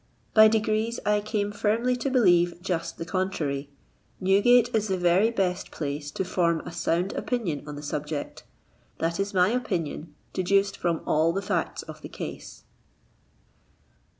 By degrees I came firmly to believe just the contrary. Newgate is the very best place to form a sound opinion on the subject ; that is my opinion, deduced from all the facts of the case."